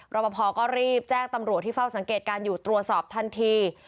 ปภก็รีบแจ้งตำรวจที่เฝ้าสังเกตการณ์อยู่ตรวจสอบทันที